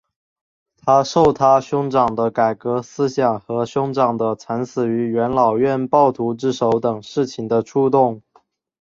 他受他兄长的改革思想和兄长的惨死于元老院暴徒之手等事情的触动。